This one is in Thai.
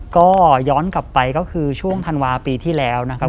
ก็ย้อนกลับไปก็คือช่วงธันวาปีที่แล้วนะครับ